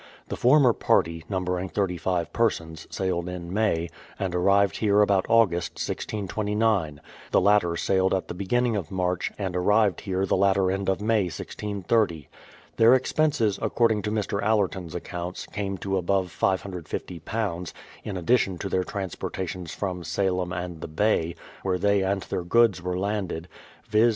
The former party, numbering 35 persons, sailed in May, and arrived here about August, 1629; the latter sailed at the beginning of March, and arrived here the latter end of May, 1630. Their expenses, according to Mr. Allerton's accounts, came to above £550 (in addi tion to their transportations from Salem and the Bay, where they and their goods were landed), viz.